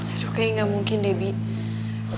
aduh kayaknya gak mungkin debbie